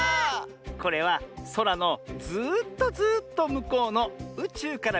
これはそらのずっとずっとむこうのうちゅうからみたちきゅう。